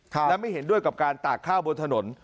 และไม่เห็นด้วยกับการตากข้าวบนถนน